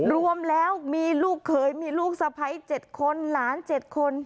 รวมแล้วมีลูกเขยมีลูกสะพ้าย๗คนหลาน๗คน